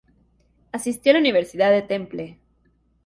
Asistió a la Universidad de Temple.